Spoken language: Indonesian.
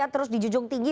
terus di jujur tinggi